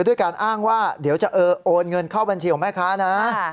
ด้วยการอ้างว่าเดี๋ยวจะโอนเงินเข้าบัญชีของแม่ค้านะ